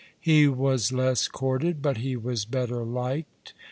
He was less courted; but he was better liked.